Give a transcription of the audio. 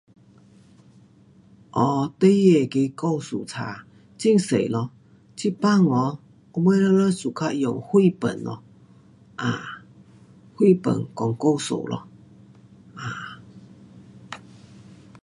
um 孩儿那个故事书，很多咯，这班啊我们全部用绘本咯，um 绘本讲故事咯。um